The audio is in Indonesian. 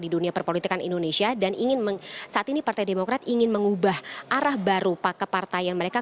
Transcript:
di dunia perpolitikan indonesia dan ingin saat ini partai demokrat ingin mengubah arah baru pak kepartaian mereka